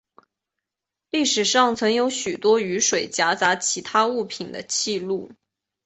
历史上曾有许多雨水夹杂其他物品的记录。